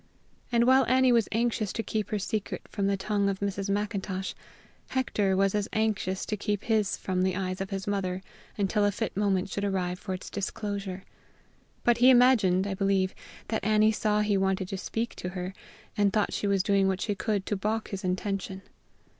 And while Annie was anxious to keep her secret from the tongue of Mrs. Macintosh, Hector was as anxious to keep his from the eyes of his mother until a fit moment should arrive for its disclosure. But he imagined, I believe, that Annie saw he wanted to speak to her, and thought she was doing what she could to balk his intention.